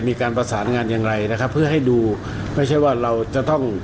มีการประสานงานอย่างไรนะครับเพื่อให้ดูไม่ใช่ว่าเราจะต้อง